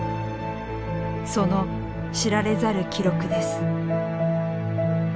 その知られざる記録です。